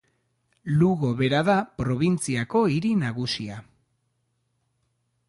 Lugo bera da probintziako hiri nagusia.